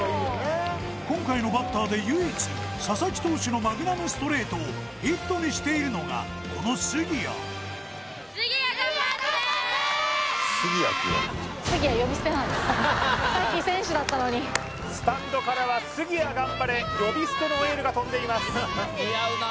今回のバッターで唯一佐々木投手のマグナムストレートをヒットにしているのがこの杉谷さっきスタンドからは「杉谷頑張れ」呼び捨てのエールが飛んでいます